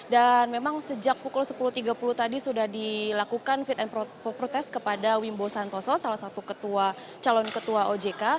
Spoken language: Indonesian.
dan memang sejak pukul sepuluh tiga puluh tadi sudah dilakukan fit and proper test kepada wimbo santoso salah satu ketua calon ketua ojk